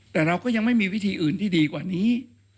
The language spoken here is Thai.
แต่เราก็ยังไม่มีวิธีอื่นที่ดีกว่านี้